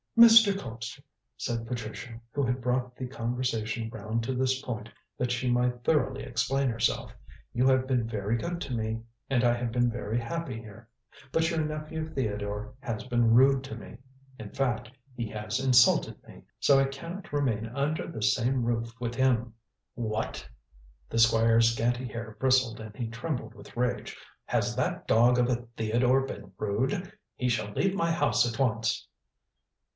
"Mr. Colpster," said Patricia, who had brought the conversation round to this point that she might thoroughly explain herself, "you have been very good to me, and I have been very happy here. But your nephew Theodore has been rude to me; in fact, he has insulted me; so I cannot remain under the same roof with him." "What?" the Squire's scanty hair bristled and he trembled with rage. "Has that dog of a Theodore been rude? He shall leave my house at once."